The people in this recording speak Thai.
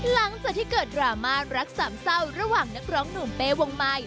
หลังจากที่เกิดดราม่ารักสามเศร้าระหว่างนักร้องหนุ่มเป้วงใหม่